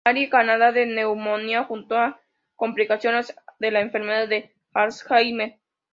Marie, Canadá, de neumonía junto a complicaciones de la enfermedad de Alzheimer.